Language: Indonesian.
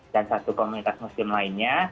dan satu komunitas muslim lainnya